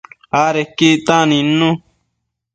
Adequi ictac nidnu